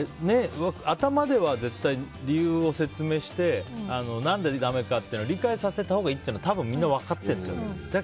頭では絶対理由を説明して何でだめかっていうのを理解させたほうがいいというのは多分みんな分かってると思うんだよ。